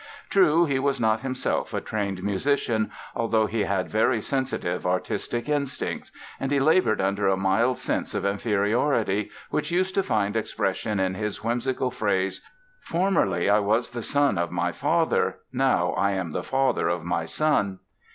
True, he was not himself a trained musician although he had very sensitive artistic instincts; and he labored under a mild sense of inferiority, which used to find expression in his whimsical phrase: "Formerly I was the son of my father, now I am the father of my son".